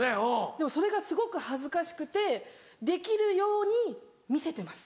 でもそれがすごく恥ずかしくてできるように見せてます。